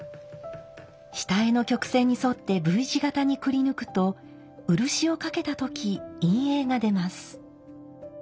下絵の曲線に沿ってＶ字型にくり抜くと漆をかけた時陰影が出ます。